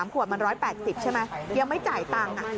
ขวดมัน๑๘๐ใช่ไหมยังไม่จ่ายตังค์